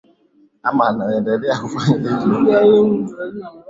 mauaji ya kimbari yalionyesha uhalifu dhidi ya sheria za kimataifa